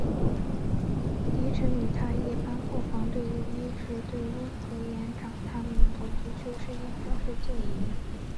迪臣与他一班后防队友一直对温格延长他们的足球事业表示敬意。